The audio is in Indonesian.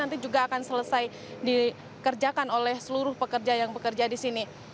nanti juga akan selesai dikerjakan oleh seluruh pekerja yang bekerja di sini